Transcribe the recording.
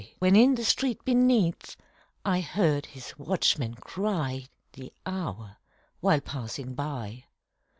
When in the street beneath I heard his watchman cry The hour, while passing by.